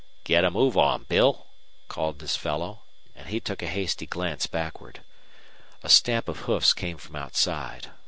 "Git a move on, Bill," called this fellow; and he took a hasty glance backward. A stamp of hoofs came from outside.